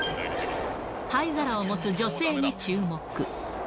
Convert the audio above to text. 灰皿を持つ女性に注目。